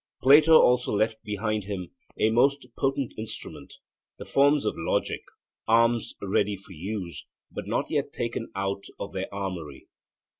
Plato also left behind him a most potent instrument, the forms of logic arms ready for use, but not yet taken out of their armoury.